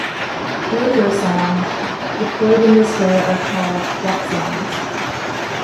Radiosondes deployed in this way are called dropsondes.